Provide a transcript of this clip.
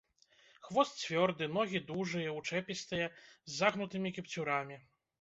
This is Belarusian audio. Хвост цвёрды, ногі дужыя, учэпістыя, з загнутымі кіпцюрамі.